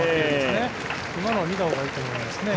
今のは見たほうがいいと思いますね。